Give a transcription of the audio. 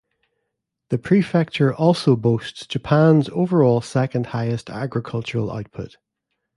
The prefecture also boasts Japan's overall second-highest agricultural output.